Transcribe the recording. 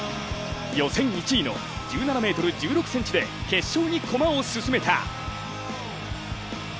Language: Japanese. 予選１位の１７ｍ１６ｃｍで決勝に駒を進めた。